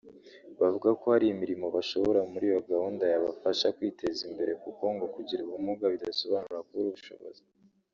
Bavuga ko hari imirimo bashobora muri iyo gahunda yabafasha kwiteza imbere kuko ngo kugira ubumuga bidasobanura kubura ubushobozi